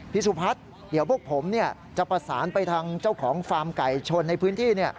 สุพัฒน์เดี๋ยวพวกผมจะประสานไปทางเจ้าของฟาร์มไก่ชนในพื้นที่